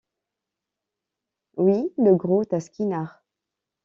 Oui! le gros Taskinar !